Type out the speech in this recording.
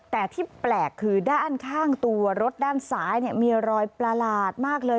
แต่ที่แปลกคือด้านข้างตัวรถด้านซ้ายมีรอยประหลาดมากเลย